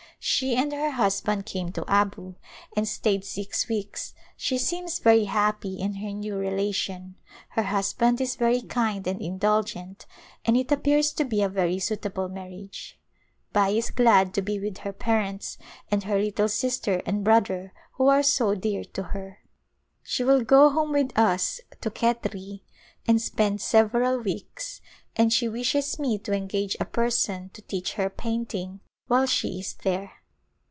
She and her husband came to Abu and stayed six weeks. She seems very happy in her new relation ; her husband is very kind and indulgent and it appears to be a very suitable mar riage. Bai is glad to be with her parents and her lit tle sister and brother who are so dear to her. She will go home with us to Khetri and spend several weeks and she wishes me to engage a person to teach her painting while she is there.